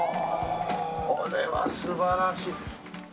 これは素晴らしい！